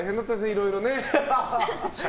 いろいろね。